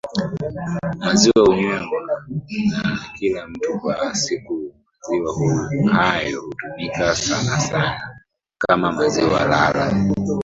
maziwa hunywewa na kila mtu kwa sikuMaziwa hayo hutumika sanasana kama maziwa lala